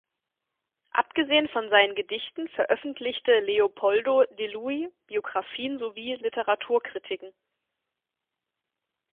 Abgesehen von seinen Gedichten veröffentlichte Leopoldo de Luis Biografien sowie Literaturkritiken.